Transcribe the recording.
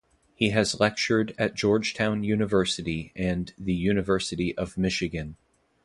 He has lectured at Georgetown University and the University of Michigan.